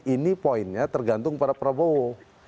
ini poinnya tergantung pada prabowo